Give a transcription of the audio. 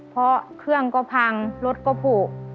เพราะเครื่องก็พังรถก็ผูก